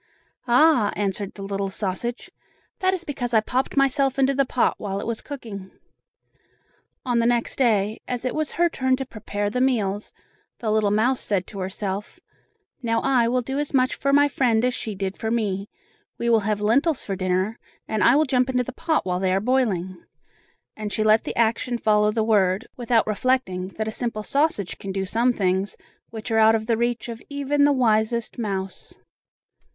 "Ah!" answered the little sausage, "that is because I popped myself into the pot while it was cooking." On the next day, as it was her turn to prepare the meals, the little mouse said to herself: "Now I will do as much for my friend as she did for me; we will have lentils for dinner, and I will jump into the pot while they are boiling," and she let the action follow the word, without reflecting that a simple sausage can do some things which are out of the reach of even the wisest mouse.